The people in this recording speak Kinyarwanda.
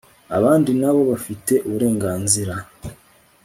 abandi nabo bafite uburenganzira